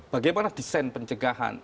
bagaimana desain pencegahan